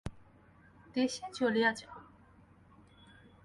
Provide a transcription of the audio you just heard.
দেশে চলিয়া যাও।